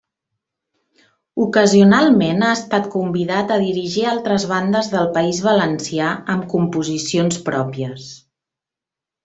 Ocasionalment ha estat convidat a dirigir altres bandes del País Valencià amb composicions pròpies.